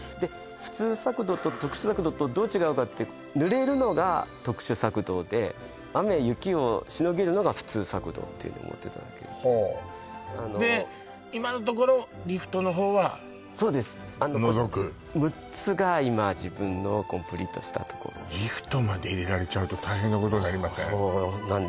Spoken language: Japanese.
普通索道と特殊索道とどう違うかって濡れるのが特殊索道で雨雪をしのげるのが普通索道っていうふうに思っていただけで今のところリフトのほうはそうです除く６つが今自分のコンプリートしたところリフトまで入れられちゃうと大変なことになりません？